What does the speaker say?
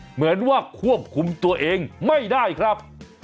เหมือนว่าควบคุมตัวเองไม่ได้ครับ